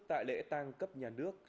tại lễ tăng cấp nhà nước